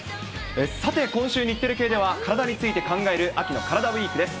さて、今週、日テレ系では、体について考える秋のカラダＷＥＥＫです。